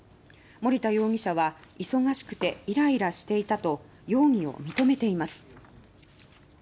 森田容疑者は忙しくてイライラしていたと容疑を認めています。